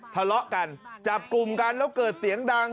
ทะเลาะกันจับกลุ่มกันแล้วเกิดเสียงดัง